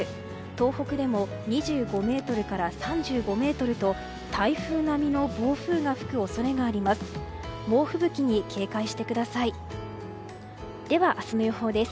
東北でも２５メートルから３５メートルと台風並みの暴風が吹く恐れがあります。